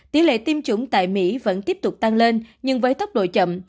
tỷ lệ tiêm chủng tại mỹ vẫn tiếp tục tăng lên nhưng với tốc độ chậm